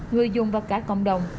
người dùng và cả cộng đồng